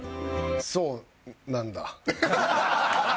そうなんだ。